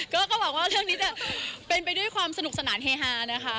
ก็หวังว่าเรื่องนี้จะเป็นไปด้วยความสนุกสนานเฮฮานะคะ